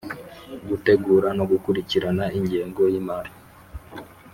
Gutegura no gukurikirana ingengo y imari